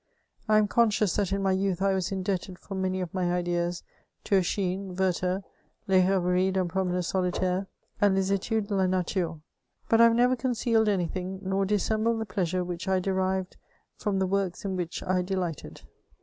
I am conscious that in my youth I was indebted for many of my ideas to Ossiany Werthery Les Reveries dun Promeneur Solitaire^ and Les Etudes de la Nature ; but I have never concealed any thing, nor dissembled the pleasure which I derived from the works in which I delighted.